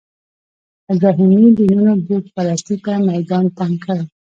ابراهیمي دینونو بوت پرستۍ ته میدان تنګ کړی.